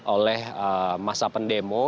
oleh masa pendemo